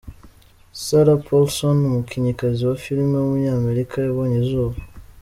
Sarah Paulson, umukinnyikazi wa filime w’umunyamerika yabonye izuba.